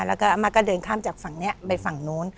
แล้วก็อาม่าก็เดินข้ามจากฝั่งนี้ไปฝั่งนู้น